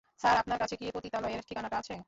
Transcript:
Sir, আপনার কাছে কি পতিতালয়ের ঠিকানাটা আছে?